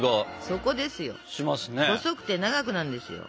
そこですよ。